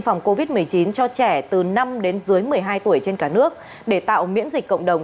phòng covid một mươi chín cho trẻ từ năm đến dưới một mươi hai tuổi trên cả nước để tạo miễn dịch cộng đồng